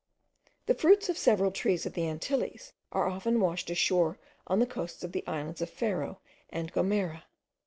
The fruits of several trees of the Antilles are often washed ashore on the coasts of the islands of Ferro and Gomera.